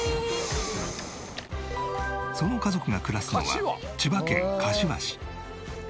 その家族が暮らすのは千葉県柏市。